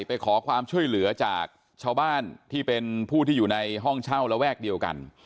ไปขอความช่วยเหลือจากชาวบ้านที่เป็นผู้ที่อยู่ในห้องเช่าระแวกเดียวกัน